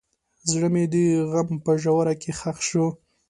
زړه مې د غم په ژوره کې ښخ شو.